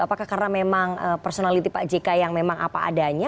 apakah karena memang personality pak jk yang memang apa adanya